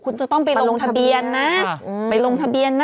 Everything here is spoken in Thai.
คุณจะต้องไปลงทะเบียนนะไปลงทะเบียนนะ